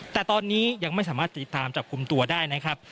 แต่ตอนนี้ยังไม่สามารถติดตามจับกลุ่มตัวได้นะครับ